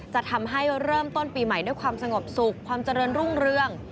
จะทำให้เริ่มต้นปีใหม่ด้วยความสงบสุขความเจริญรุ่งเรือง